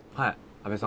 阿部さん